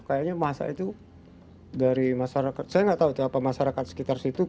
kayaknya masa itu dari masyarakat saya nggak tahu itu apa masyarakat sekitar situ